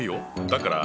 だから。